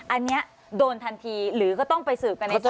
อันนี้โดนทันทีหรือก็ต้องไปสืบกันในตัว